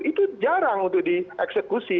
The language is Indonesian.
itu jarang untuk dieksekusi